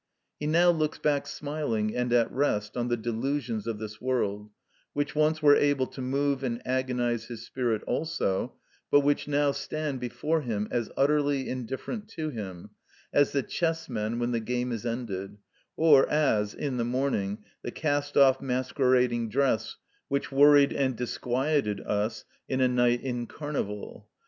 He now looks back smiling and at rest on the delusions of this world, which once were able to move and agonise his spirit also, but which now stand before him as utterly indifferent to him, as the chess men when the game is ended, or as, in the morning, the cast off masquerading dress which worried and disquieted us in a night in Carnival.